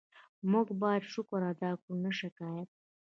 موږ باید شکر ادا کړو، نه شکایت.